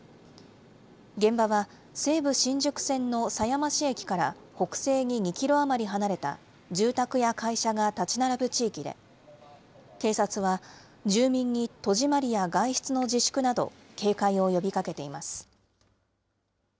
現場は、西武新宿線の狭山市駅から北西に２キロ余り離れた住宅や会社が建ち並ぶ地域で、警察は、住民に戸締まりや外出の自粛など、警戒を呼びかけています。